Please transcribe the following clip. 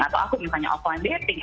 atau aku misalnya offline dating